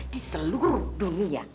di seluruh dunia